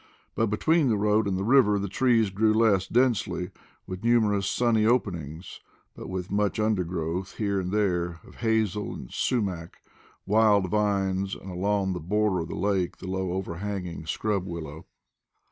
But between the road and the river the trees grew less densely, with numerous sunny openings, but with much undergrowth, here and there, of hazel and sumach, wild vines, and along the border of the lake the low overhanging scrub willow.